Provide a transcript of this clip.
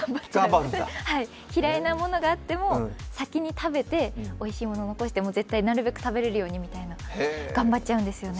嫌いなものがあっても先に食べて、おいしいものを残して、絶対なるべく食べれるようにと頑張っちゃうんですよね。